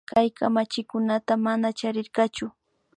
Kay kamachikunata mana charirkachu